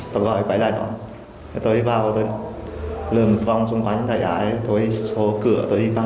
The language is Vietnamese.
tôi sẽ đi vào tôi sẽ lưu vòng xung quanh tôi sẽ xốp cửa tôi sẽ đi vào